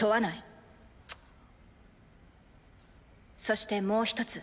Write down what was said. そしてもう１つ。